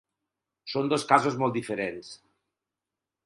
Són dos casos molt diferents.